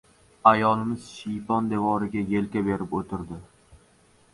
Ayolimiz shiypon devoriga yelka berib o‘tirdi.